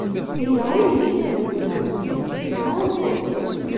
Aya ur yelhi i tezmert-nnek, neɣ uhu?